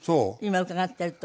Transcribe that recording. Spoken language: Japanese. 今伺ってると。